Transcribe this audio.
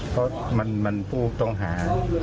เพราะมันผู้ต้องหา